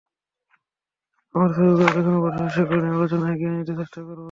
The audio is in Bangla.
আমরা ছবিগুলো দেখানোর পাশাপাশি সেগুলো নিয়ে আলোচনা এগিয়ে নিতে চেষ্টা করব।